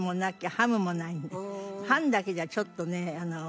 パンだけじゃちょっとね。